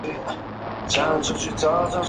却又无法说出口